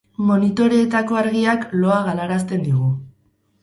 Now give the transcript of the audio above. Monitoreetako argiak loa galarazten digu.